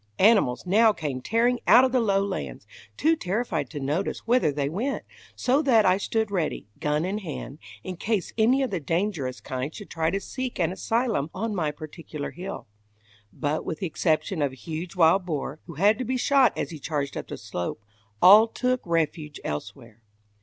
Animals now came tearing out of the lowlands too terrified to notice whither they went, so that I stood ready, gun in hand, in case any of the dangerous kind should try to seek an asylum on my particular hill; but with the exception of a huge wild boar, who had to be shot as he charged up the slope, all took refuge elsewhere.